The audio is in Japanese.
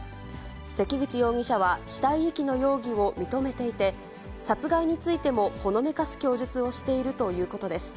関口容疑者は、死体遺棄の容疑を認めていて、殺害についてもほのめかす供述をしているということです。